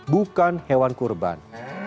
bukan hewan kurban